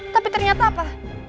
tapi ternyata apa